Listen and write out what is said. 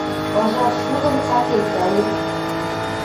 Ыжар шудым цат элтӓлен